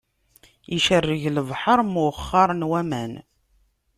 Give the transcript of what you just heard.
Icerreg lebḥeṛ, mwexxaṛen waman.